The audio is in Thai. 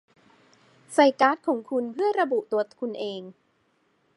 ใส่การ์ดของคุณเพื่อระบุตัวคุณเอง